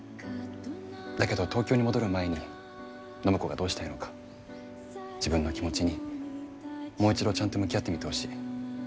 だけど東京に戻る前に暢子がどうしたいのか自分の気持ちにもう一度ちゃんと向き合ってみてほしい。